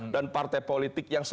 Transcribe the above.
dan partai politik yang sangat baik